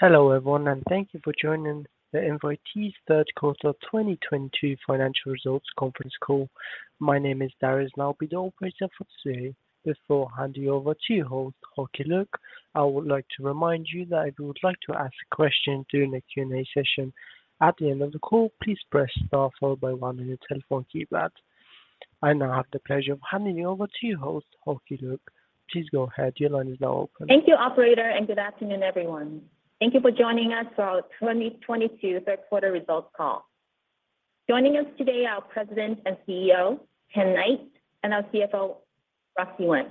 Hello everyone, and thank you for joining the Invitae's Third Quarter 2022 Financial Results Conference Call. My name is Darius and I'll be the operator for today. Before handing over to your host, Hoki Luk, I would like to remind you that if you would like to ask a question during the Q&A session at the end of the call, please press star followed by one on your telephone keypad. I now have the pleasure of handing you over to your host, Hoki Luk. Please go ahead. Your line is now open. Thank you operator, and good afternoon everyone. Thank you for joining us for our 2022 third quarter results call. Joining us today are President and CEO, Ken Knight, and our CFO, Roxi Wen.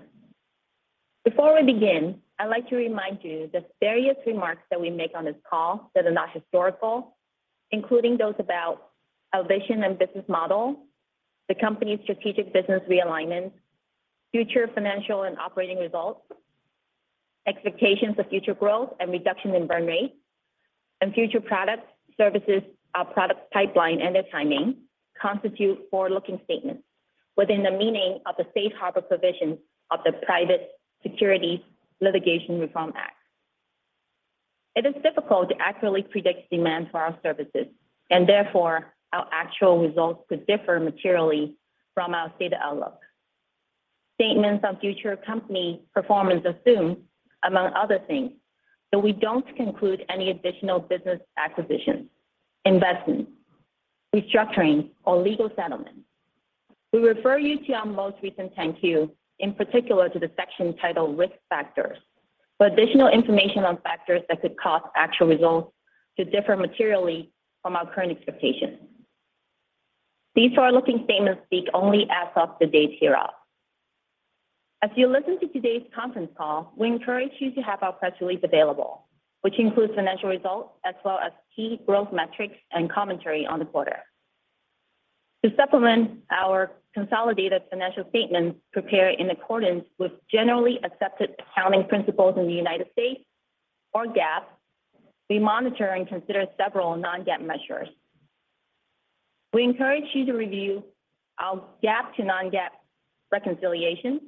Before we begin, I'd like to remind you that various remarks that we make on this call that are not historical, including those about our vision and business model, the company's strategic business realignment, future financial and operating results, expectations of future growth and reduction in burn rate and future products, services, our product pipeline and their timing, constitute forward-looking statements within the meaning of the safe harbor provisions of the Private Securities Litigation Reform Act. It is difficult to accurately predict demand for our services, and therefore, our actual results could differ materially from our stated outlook. Statements of future company performance assume, among other things, that we don't conclude any additional business acquisitions, investments, restructuring, or legal settlements. We refer you to our most recent 10-Q, in particular to the section titled Risk Factors, for additional information on factors that could cause actual results to differ materially from our current expectations. These forward-looking statements speak only as of the date hereof. As you listen to today's conference call, we encourage you to have our press release available, which includes financial results as well as key growth metrics and commentary on the quarter. To supplement our consolidated financial statements prepared in accordance with generally accepted accounting principles in the United States or GAAP, we monitor and consider several non-GAAP measures. We encourage you to review our GAAP to non-GAAP reconciliations,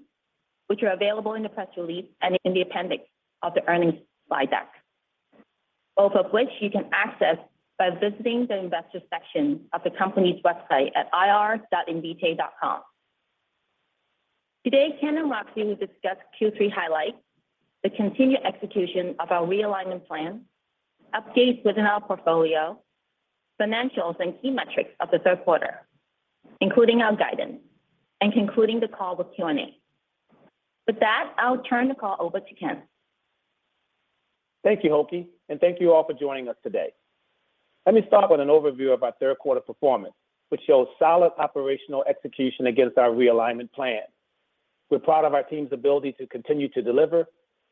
which are available in the press release and in the appendix of the earnings slide deck, both of which you can access by visiting the investor section of the company's website at ir.invitae.com. Today, Ken and Roxi will discuss Q3 highlights, the continued execution of our realignment plan, updates within our portfolio, financials and key metrics of the third quarter, including our guidance, and concluding the call with Q&A. With that, I'll turn the call over to Ken. Thank you, Hoki, and thank you all for joining us today. Let me start with an overview of our third quarter performance, which shows solid operational execution against our realignment plan. We're proud of our team's ability to continue to deliver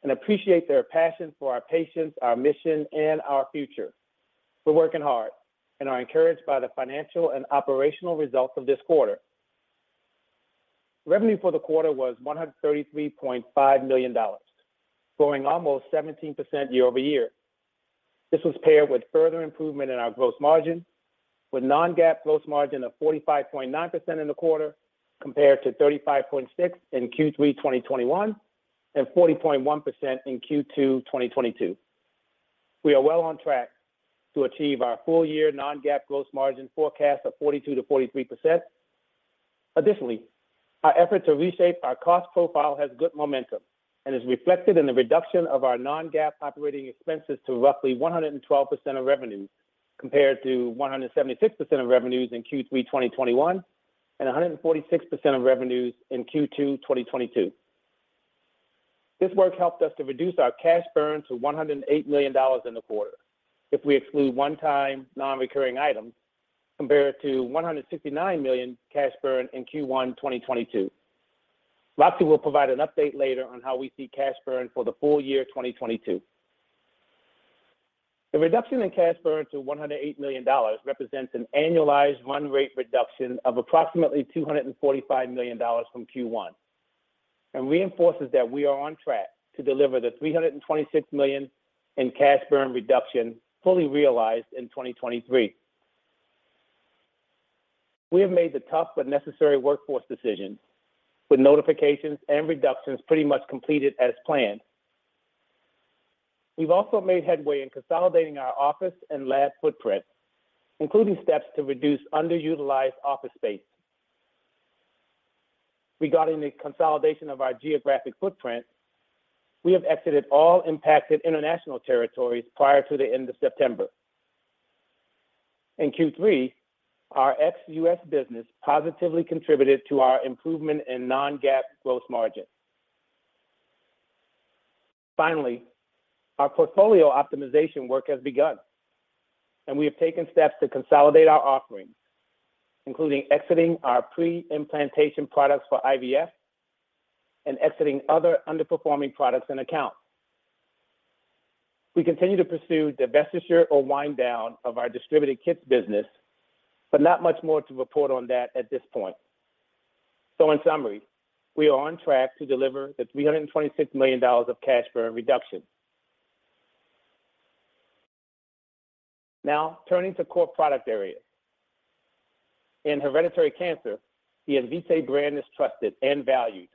and appreciate their passion for our patients, our mission, and our future. We're working hard and are encouraged by the financial and operational results of this quarter. Revenue for the quarter was $133.5 million, growing almost 17% year-over-year. This was paired with further improvement in our gross margin, with non-GAAP gross margin of 45.9% in the quarter compared to 35.6% in Q3 2021 and 40.1% in Q2 2022. We are well on track to achieve our full year non-GAAP gross margin forecast of 42%-43%. Additionally, our effort to reshape our cost profile has good momentum and is reflected in the reduction of our non-GAAP operating expenses to roughly 112% of revenue, compared to 176% of revenues in Q3 2021 and 146% of revenues in Q2 2022. This work helped us to reduce our cash burn to $108 million in the quarter if we exclude one-time non-recurring items, compared to $169 million cash burn in Q1 2022. Roxi will provide an update later on how we see cash burn for the full year 2022. The reduction in cash burn to $108 million represents an annualized run rate reduction of approximately $245 million from Q1, and reinforces that we are on track to deliver the $326 million in cash burn reduction fully realized in 2023. We have made the tough but necessary workforce decisions with notifications and reductions pretty much completed as planned. We've also made headway in consolidating our office and lab footprint, including steps to reduce underutilized office space. Regarding the consolidation of our geographic footprint, we have exited all impacted international territories prior to the end of September. In Q3, our ex-U.S. business positively contributed to our improvement in non-GAAP gross margin. Finally, our portfolio optimization work has begun, and we have taken steps to consolidate our offerings, including exiting our pre-implantation products for IVF and exiting other underperforming products and accounts. We continue to pursue divestiture or wind down of our distributed kits business, but not much more to report on that at this point. In summary, we are on track to deliver $326 million of cash burn reduction. Now turning to core product areas. In hereditary cancer, the Invitae brand is trusted and valued.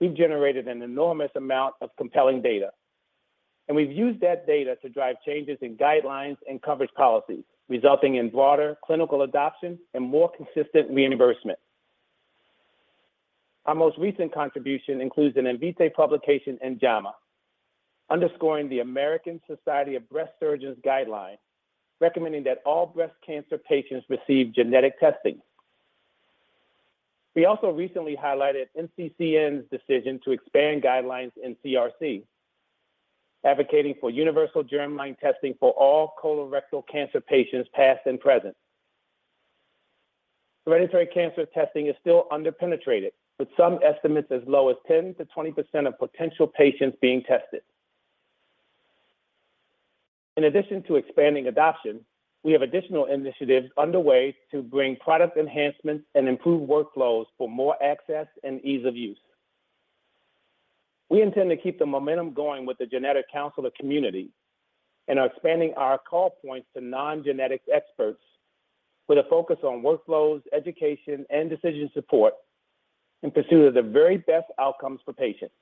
We've generated an enormous amount of compelling data, and we've used that data to drive changes in guidelines and coverage policies, resulting in broader clinical adoption and more consistent reimbursement. Our most recent contribution includes an Invitae publication in JAMA, underscoring the American Society of Breast Surgeons guideline, recommending that all breast cancer patients receive genetic testing. We also recently highlighted NCCN's decision to expand guidelines in CRC, advocating for universal germline testing for all colorectal cancer patients, past and present. Hereditary cancer testing is still under-penetrated, with some estimates as low as 10%-20% of potential patients being tested. In addition to expanding adoption, we have additional initiatives underway to bring product enhancements and improve workflows for more access and ease of use. We intend to keep the momentum going with the genetic counselor community and are expanding our call points to non-genetic experts with a focus on workflows, education, and decision support in pursuit of the very best outcomes for patients.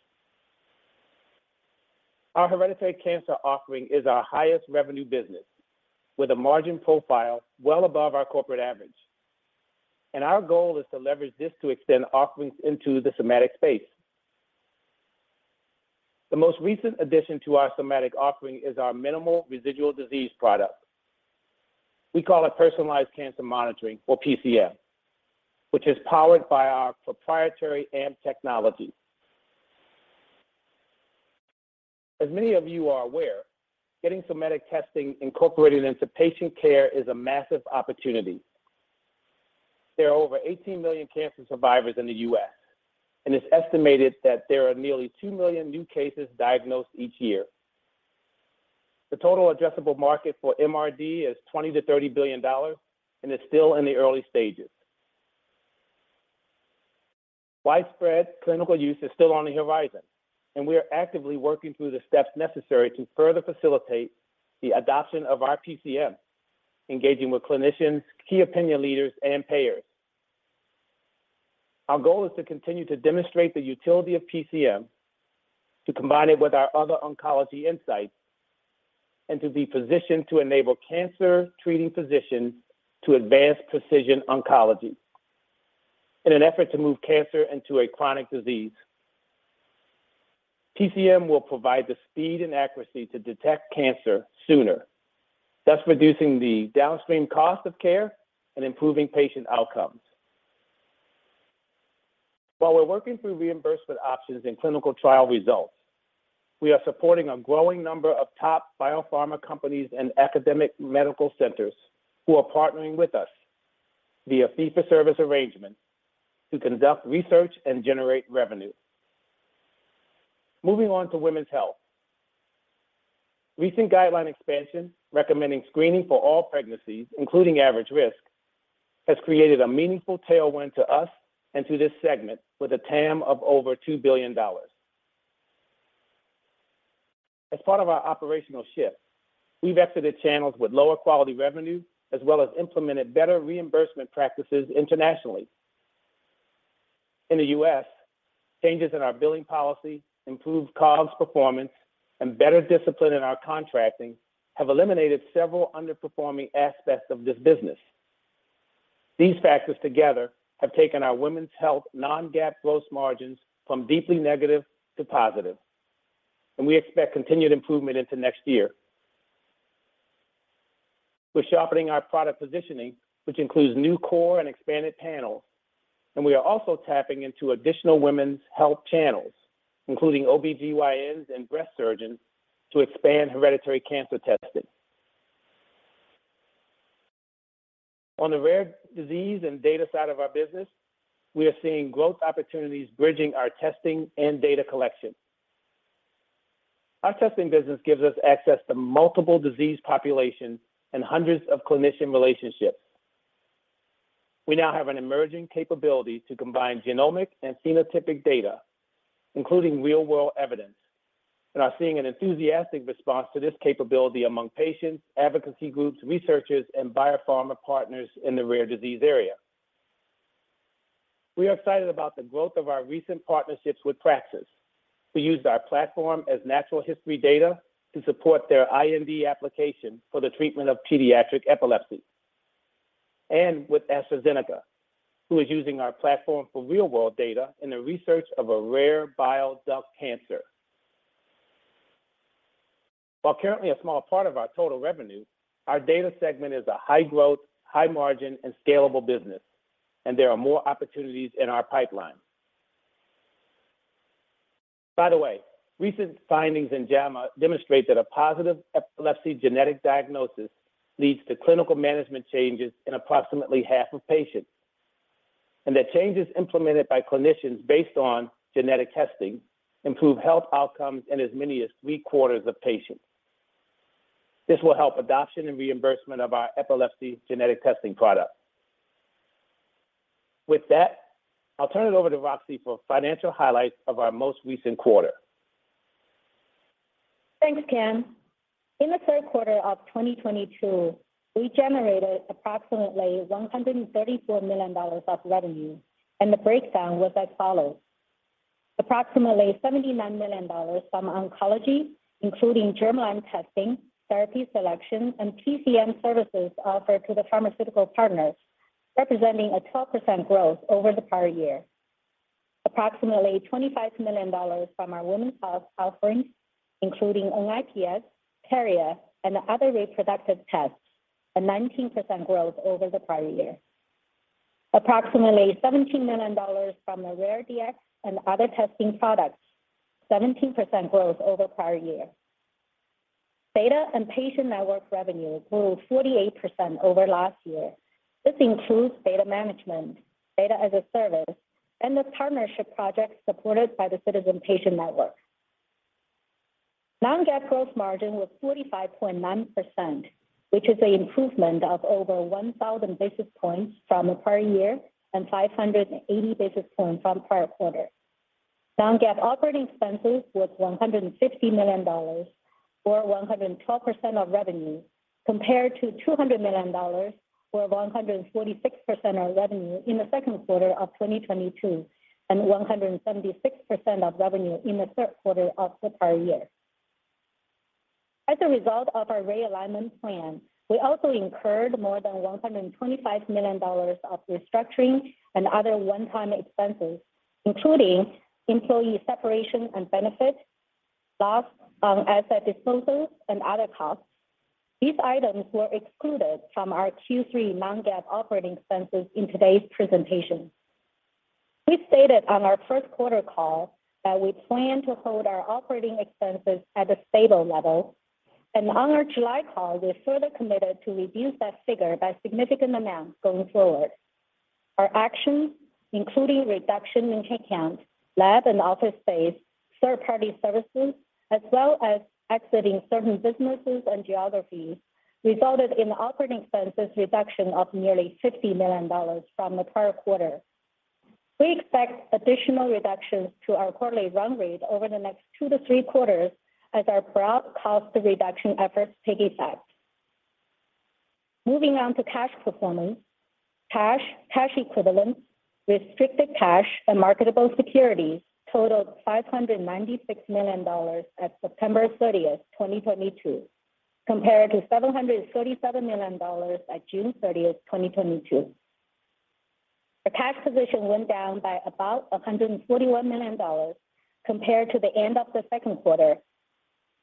Our hereditary cancer offering is our highest revenue business, with a margin profile well above our corporate average. Our goal is to leverage this to extend offerings into the somatic space. The most recent addition to our somatic offering is our minimal residual disease product. We call it Personalized Cancer Monitoring, or PCM, which is powered by our proprietary AMP technology. As many of you are aware, getting somatic testing incorporated into patient care is a massive opportunity. There are over 18 million cancer survivors in the U.S., and it's estimated that there are nearly 2 million new cases diagnosed each year. The total addressable market for MRD is $20 billion-$30 billion, and it's still in the early stages. Widespread clinical use is still on the horizon, and we are actively working through the steps necessary to further facilitate the adoption of our PCM, engaging with clinicians, key opinion leaders, and payers. Our goal is to continue to demonstrate the utility of PCM, to combine it with our other oncology insights, and to be positioned to enable cancer-treating physicians to advance precision oncology in an effort to move cancer into a chronic disease. PCM will provide the speed and accuracy to detect cancer sooner, thus reducing the downstream cost of care and improving patient outcomes. While we're working through reimbursement options and clinical trial results, we are supporting a growing number of top biopharma companies and academic medical centers who are partnering with us via fee for service arrangement to conduct research and generate revenue. Moving on to women's health. Recent guideline expansion recommending screening for all pregnancies, including average risk, has created a meaningful tailwind to us and to this segment with a TAM of over $2 billion. As part of our operational shift, we've exited channels with lower quality revenue, as well as implemented better reimbursement practices internationally. In the U.S., changes in our billing policy, improved COGS performance, and better discipline in our contracting have eliminated several underperforming aspects of this business. These factors together have taken our women's health non-GAAP gross margins from deeply negative to positive, and we expect continued improvement into next year. We're sharpening our product positioning, which includes new core and expanded panels, and we are also tapping into additional women's health channels, including OBGYNs and breast surgeons, to expand hereditary cancer testing. On the rare disease and data side of our business, we are seeing growth opportunities bridging our testing and data collection. Our testing business gives us access to multiple disease populations and hundreds of clinician relationships. We now have an emerging capability to combine genomic and phenotypic data, including real-world evidence, and are seeing an enthusiastic response to this capability among patients, advocacy groups, researchers, and biopharma partners in the rare disease area. We are excited about the growth of our recent partnerships with Praxis, who used our platform as natural history data to support their IND application for the treatment of pediatric epilepsy, and with AstraZeneca, who is using our platform for real-world data in the research of a rare bile duct cancer. While currently a small part of our total revenue, our data segment is a high-growth, high-margin, and scalable business, and there are more opportunities in our pipeline. By the way, recent findings in JAMA demonstrate that a positive epilepsy genetic diagnosis leads to clinical management changes in approximately half of patients, and that changes implemented by clinicians based on genetic testing improve health outcomes in as many as three-quarters of patients. This will help adoption and reimbursement of our epilepsy genetic testing product. With that, I'll turn it over to Roxi for financial highlights of our most recent quarter. Thanks, Ken. In the third quarter of 2022, we generated approximately $134 million of revenue, and the breakdown was as follows: approximately $79 million from oncology, including germline testing, therapy selection, and PCM services offered to the pharmaceutical partners, representing a 12% growth over the prior year. Approximately $25 million from our women's health offerings, including ONCOiPS, carrier, and other reproductive tests, a 19% growth over the prior year. Approximately $17 million from the RareDx and other testing products, 17% growth over prior year. Data and patient network revenue grew 48% over last year. This includes data management, data as a service, and the partnership projects supported by the Ciitizen patient network. Non-GAAP gross margin was 45.9%, which is an improvement of over 1,000 basis points from the prior year and 580 basis points from prior quarter. Non-GAAP operating expenses was $150 million or 112% of revenue, compared to $200 million or 146% of revenue in the second quarter of 2022, and 176% of revenue in the third quarter of the prior year. As a result of our realignment plan, we also incurred more than $125 million of restructuring and other one-time expenses, including employee separation and benefit, loss on asset disposals, and other costs. These items were excluded from our Q3 non-GAAP operating expenses in today's presentation. We stated on our first quarter call that we plan to hold our operating expenses at a stable level, and on our July call, we further committed to reduce that figure by significant amounts going forward. Our actions, including reduction in headcount, lab and office space, third-party services, as well as exiting certain businesses and geographies, resulted in operating expenses reduction of nearly $50 million from the prior quarter. We expect additional reductions to our quarterly run rate over the next two to three quarters as our broad cost reduction efforts take effect. Moving on to cash performance. Cash, cash equivalents, restricted cash, and marketable securities totaled $596 million at September 30th, 2022, compared to $737 million at June 30th, 2022. The cash position went down by about $141 million compared to the end of the second quarter.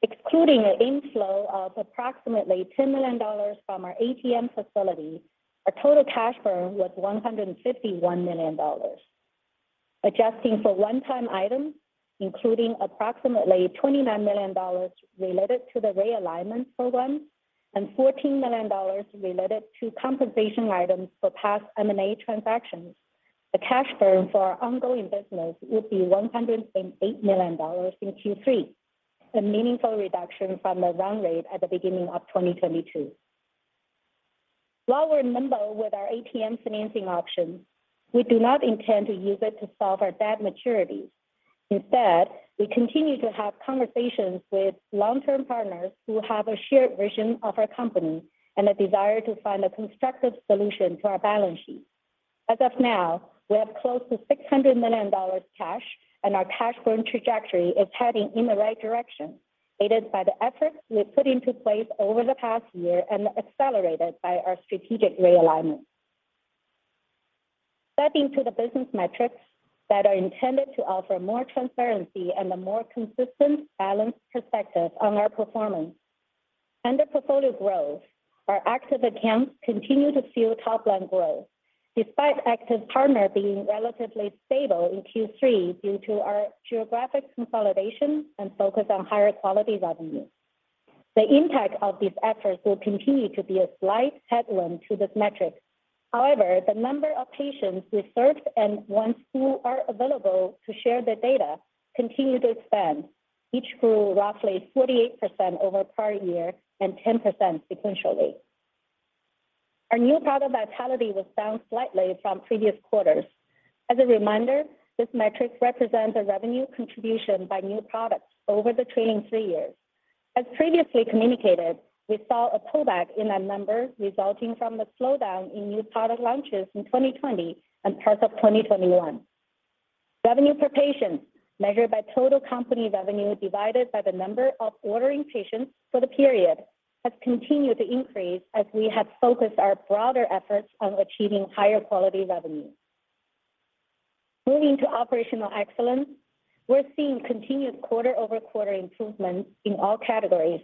Excluding an inflow of approximately $10 million from our ATM facility, our total cash burn was $151 million. Adjusting for one-time items, including approximately $29 million related to the realignment program and $14 million related to compensation items for past M&A transactions, the cash burn for our ongoing business would be $108 million in Q3, a meaningful reduction from the run rate at the beginning of 2022. While we're nimble with our ATM financing options, we do not intend to use it to solve our debt maturities. Instead, we continue to have conversations with long-term partners who have a shared vision of our company and a desire to find a constructive solution to our balance sheet. As of now, we have close to $600 million cash, and our cash burn trajectory is heading in the right direction, aided by the efforts we put into place over the past year and accelerated by our strategic realignment. Stepping to the business metrics that are intended to offer more transparency and a more consistent, balanced perspective on our performance. Under portfolio growth, our active accounts continue to fuel top line growth, despite active partner being relatively stable in Q3 due to our geographic consolidation and focus on higher quality revenue. The impact of these efforts will continue to be a slight headwind to this metric. However, the number of patients we served and ones who are available to share their data continue to expand. Each grew roughly 48% over prior year and 10% sequentially. Our new product vitality was down slightly from previous quarters. As a reminder, this metric represents the revenue contribution by new products over the trailing three years. As previously communicated, we saw a pullback in that number resulting from the slowdown in new product launches in 2020 and parts of 2021. Revenue per patient, measured by total company revenue divided by the number of ordering patients for the period, has continued to increase as we have focused our broader efforts on achieving higher quality revenue. Moving to operational excellence, we're seeing continued quarter-over-quarter improvements in all categories.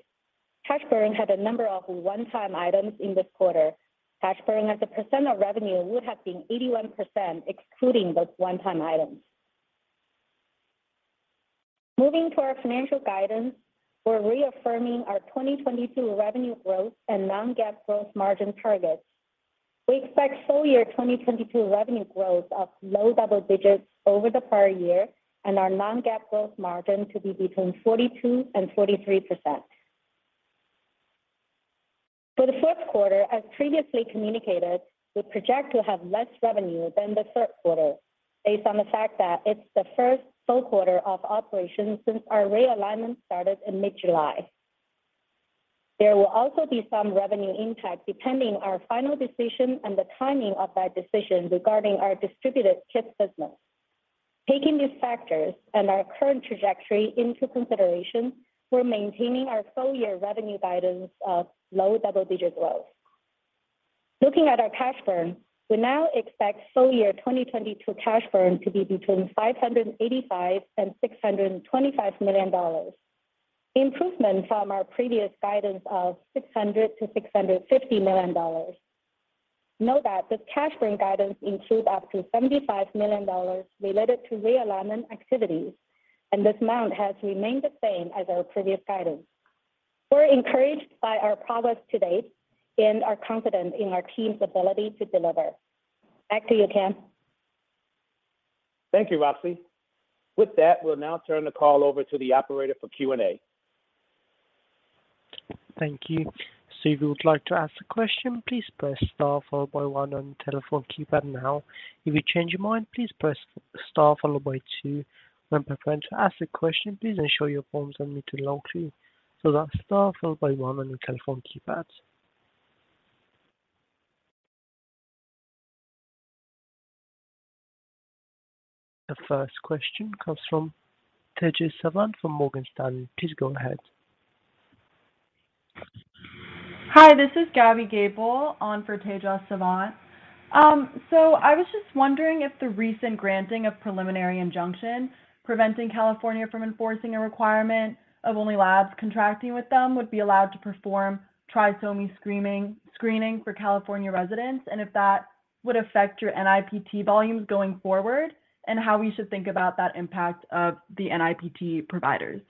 Cash burn had a number of one-time items in this quarter. Cash burn as a percent of revenue would have been 81%, excluding those one-time items. Moving to our financial guidance, we're reaffirming our 2022 revenue growth and non-GAAP growth margin targets. We expect full-year 2022 revenue growth of low double digits over the prior year and our non-GAAP gross margin to be between 42% and 43%. For the fourth quarter, as previously communicated, we project to have less revenue than the third quarter based on the fact that it's the first full quarter of operations since our realignment started in mid-July. There will also be some revenue impact depending on our final decision and the timing of that decision regarding our distributed kits business. Taking these factors and our current trajectory into consideration, we're maintaining our full-year revenue guidance of low double-digit growth. Looking at our cash burn, we now expect full-year 2022 cash burn to be between $585 million and $625 million, improvement from our previous guidance of $600 million-$650 million. Note that this cash burn guidance includes up to $75 million related to realignment activities, and this amount has remained the same as our previous guidance. We're encouraged by our progress to date and are confident in our team's ability to deliver. Back to you, Ken. Thank you, Roxi. With that, we'll now turn the call over to the operator for Q&A. Thank you. If you would like to ask a question, please press star followed by one on telephone keypad now. If you change your mind, please press star followed by two. When preparing to ask a question, please ensure your phone is unmuted to allow through. That's star followed by one on your telephone keypads. The first question comes from Tejas Savant from Morgan Stanley. Please go ahead. Hi, this is Gaby Gabel on for Tejas Savant. I was just wondering if the recent granting of preliminary injunction preventing California from enforcing a requirement of only labs contracting with them would be allowed to perform trisomy screening for California residents, and if that would affect your NIPT volumes going forward, and how we should think about that impact of the NIPT providers?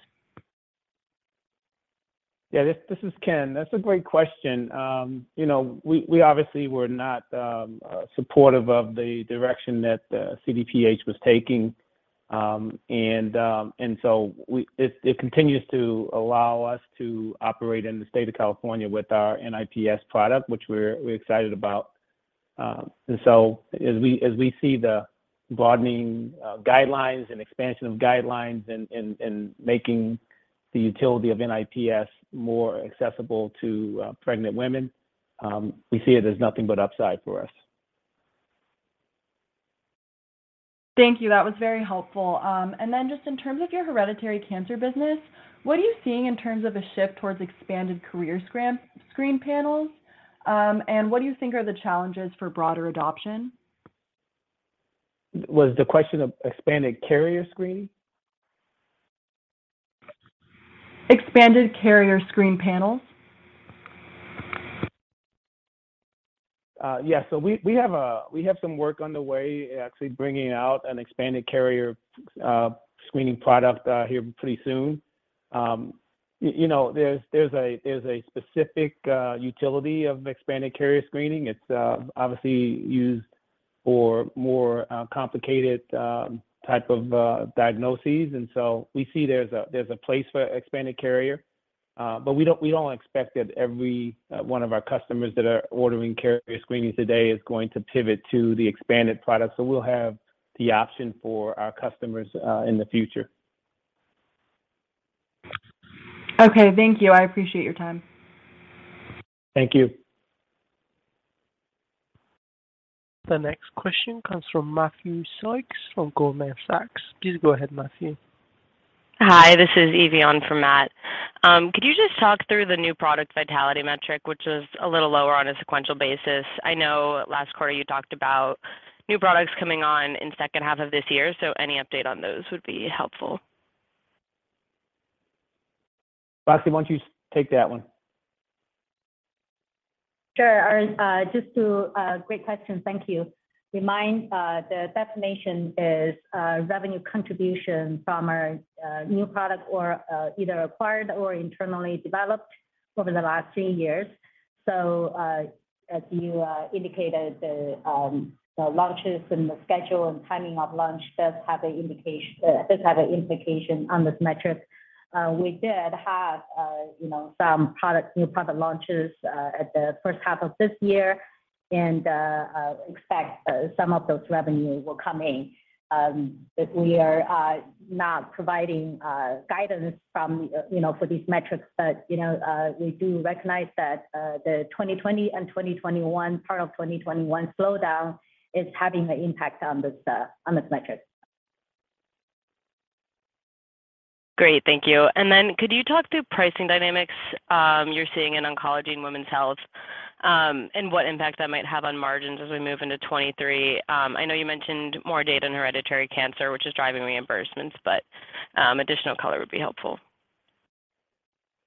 Yeah, this is Ken. That's a great question. You know, we obviously were not supportive of the direction that CDPH was taking. It continues to allow us to operate in the state of California with our NIPT product, which we're excited about. As we see the broadening guidelines and expansion of guidelines in making the utility of NIPT more accessible to pregnant women, we see it as nothing but upside for us. Thank you. That was very helpful. Just in terms of your hereditary cancer business, what are you seeing in terms of a shift towards expanded carrier screening panels, and what do you think are the challenges for broader adoption? Was the question of expanded carrier screening? Expanded carrier screening panels. Yeah. We have some work on the way actually bringing out an expanded carrier screening product here pretty soon. You know, there's a specific utility of expanded carrier screening. It's obviously used for more complicated type of diagnoses. We see there's a place for expanded carrier, but we don't expect that every one of our customers that are ordering carrier screening today is going to pivot to the expanded product. We'll have the option for our customers in the future. Okay. Thank you. I appreciate your time. Thank you. The next question comes from Matthew Sykes from Goldman Sachs. Please go ahead, Matthew. Hi, this is Ivy on for Matt. Could you just talk through the new product vitality metric, which is a little lower on a sequential basis? I know last quarter you talked about new products coming on in second half of this year, so any update on those would be helpful. Roxi, why don't you take that one? Sure. Great question. Thank you. The definition is revenue contribution from our new product or either acquired or internally developed over the last three years. As you indicated, the launches and the schedule and timing of launch does have an implication on this metric. We did have, you know, some new product launches at the first half of this year and expect some of those revenue will come in. If we are not providing guidance, you know, for these metrics, but, you know, we do recognize that the 2020 and 2021, part of 2021 slowdown is having an impact on this metric. Great. Thank you. Could you talk through pricing dynamics you're seeing in oncology and women's health, and what impact that might have on margins as we move into 2023? I know you mentioned more data in hereditary cancer, which is driving reimbursements, but additional color would be helpful.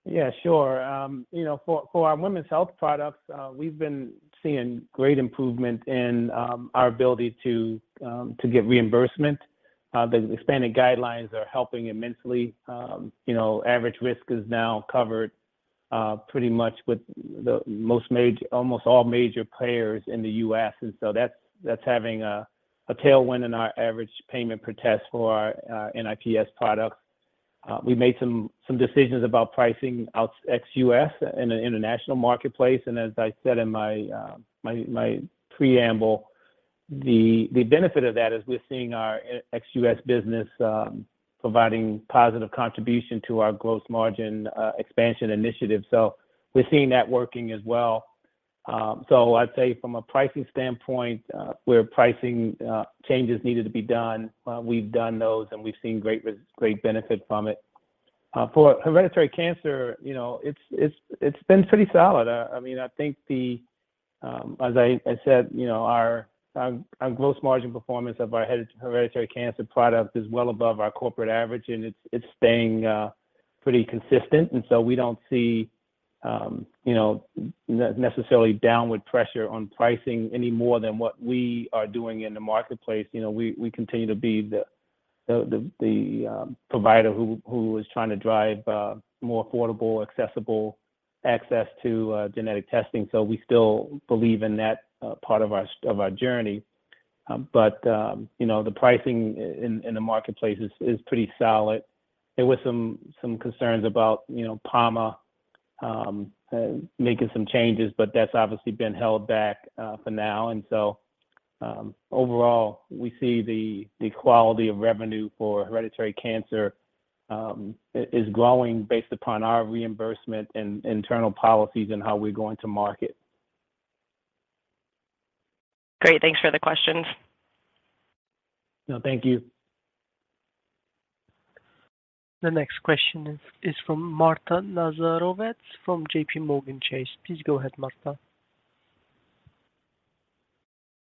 Yeah, sure. You know, for our women's health products, we've been seeing great improvement in our ability to get reimbursement. The expanded guidelines are helping immensely. You know, average risk is now covered pretty much with almost all major players in the U.S. That's having a tailwind in our average payment per test for our NIPS products. We made some decisions about pricing out ex-U.S. in an international marketplace. As I said in my preamble, the benefit of that is we're seeing our ex-U.S. business providing positive contribution to our gross margin expansion initiative. We're seeing that working as well. I'd say from a pricing standpoint, where pricing changes needed to be done, we've done those, and we've seen great benefit from it. For hereditary cancer, you know, it's been pretty solid. I mean, I think that as I said, you know, our gross margin performance of our hereditary cancer product is well above our corporate average, and it's staying pretty consistent. We don't see, you know, necessarily downward pressure on pricing any more than what we are doing in the marketplace. You know, we continue to be the provider who is trying to drive more affordable, accessible access to genetic testing. We still believe in that part of our journey. You know, the pricing in the marketplace is pretty solid. There were some concerns about, you know, PAMA making some changes, but that's obviously been held back for now. Overall, we see the quality of revenue for hereditary cancer is growing based upon our reimbursement and internal policies and how we're going to market. Great. Thanks for the questions. No, thank you. The next question is from Marta Nazarovets from JPMorgan Chase. Please go ahead, Marta.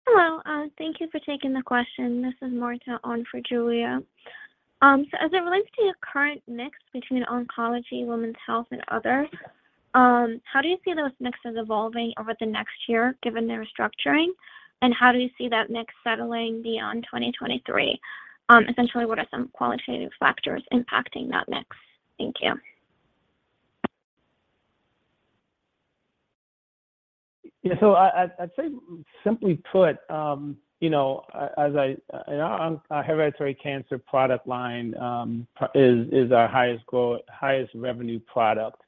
Hello. Thank you for taking the question. This is Marta on for Julia. So as it relates to your current mix between oncology, women's health, and other, how do you see those mixes evolving over the next year, given the restructuring? How do you see that mix settling beyond 2023? Essentially, what are some qualitative factors impacting that mix? Thank you. Yeah. I'd say simply put, you know, as I and our hereditary cancer product line is our highest revenue product.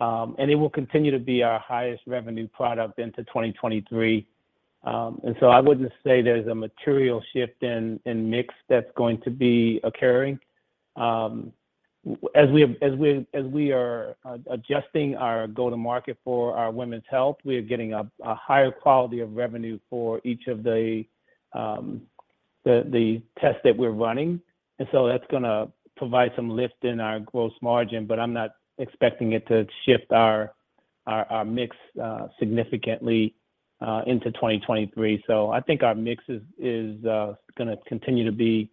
It will continue to be our highest revenue product into 2023. I wouldn't say there's a material shift in mix that's going to be occurring. As we are adjusting our go-to-market for our women's health, we are getting a higher quality of revenue for each of the tests that we're running. That's gonna provide some lift in our gross margin, but I'm not expecting it to shift our mix significantly into 2023. I think our mix is gonna continue to be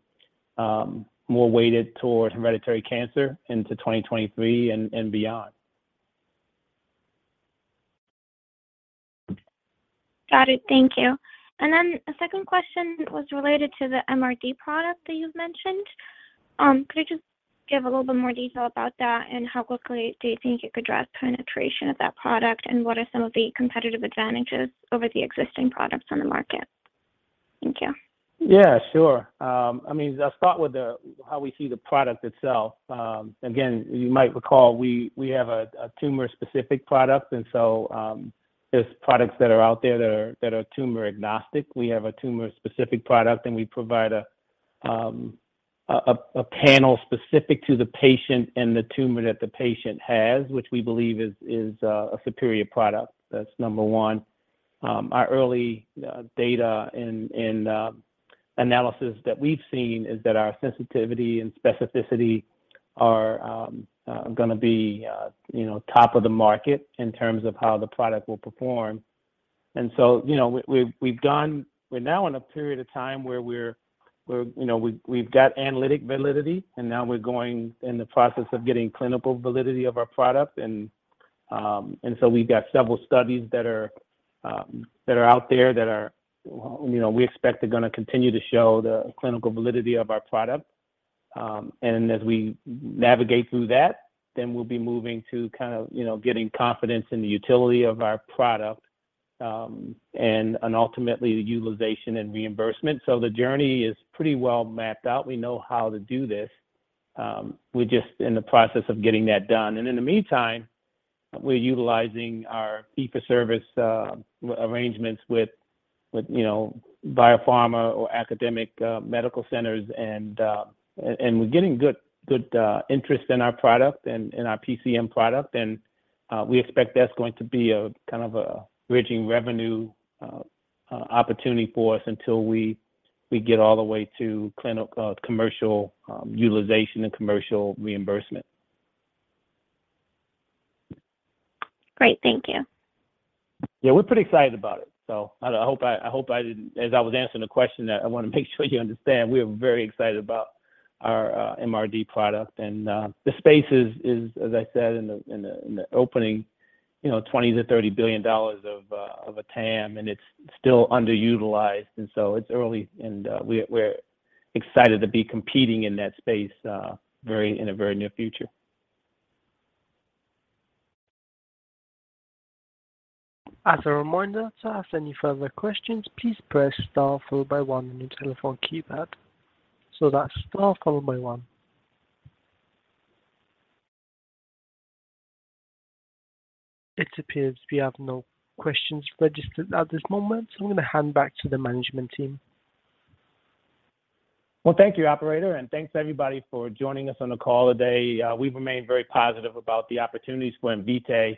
more weighted towards hereditary cancer into 2023 and beyond. Got it. Thank you. A second question was related to the MRD product that you've mentioned. Could you just give a little bit more detail about that, and how quickly do you think you could drive penetration of that product, and what are some of the competitive advantages over the existing products on the market? Thank you. Yeah, sure. I mean, I'll start with how we see the product itself. Again, you might recall we have a tumor-specific product, and so there's products that are out there that are tumor agnostic. We have a tumor-specific product, and we provide a panel specific to the patient and the tumor that the patient has, which we believe is a superior product. That's number one. Our early data and analysis that we've seen is that our sensitivity and specificity are gonna be you know top of the market in terms of how the product will perform. You know we've gone. We're now in a period of time where we're, you know, we've got analytic validity, and now we're going in the process of getting clinical validity of our product. We've got several studies that are out there, you know, we expect are gonna continue to show the clinical validity of our product. As we navigate through that, then we'll be moving to kind of, you know, getting confidence in the utility of our product, and ultimately the utilization and reimbursement. The journey is pretty well mapped out. We know how to do this. We're just in the process of getting that done. In the meantime, we're utilizing our fee-for-service arrangements with, you know, biopharma or academic medical centers and we're getting good interest in our product and in our PCM product. We expect that's going to be a kind of a bridging revenue opportunity for us until we get all the way to clinical commercial utilization and commercial reimbursement. Great. Thank you. Yeah. We're pretty excited about it, so I hope I didn't. As I was answering the question, I want to make sure you understand we are very excited about our MRD product. The space is, as I said in the opening, you know, $20 billion-$30 billion of a TAM, and it's still underutilized. It's early, and we're excited to be competing in that space, in the very near future. As a reminder, to ask any further questions, please press star followed by one on your telephone keypad. That's star followed by one. It appears we have no questions registered at this moment, so I'm gonna hand back to the management team. Well, thank you, operator, and thanks everybody for joining us on the call today. We remain very positive about the opportunities for Invitae,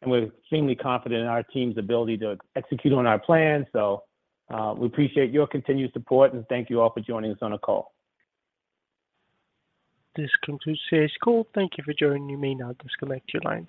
and we're extremely confident in our team's ability to execute on our plan. We appreciate your continued support, and thank you all for joining us on the call. This concludes today's call. Thank you for joining. You may now disconnect your lines.